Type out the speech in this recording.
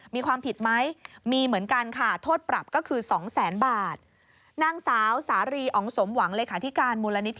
มีความผิดไหมมีเหมือนกันค่ะ